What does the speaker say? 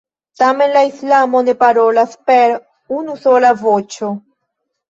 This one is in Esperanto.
Tamen la islamo ne parolas per unusola voĉo.